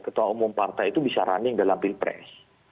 ketua umum partai itu bisa running dalam pilpres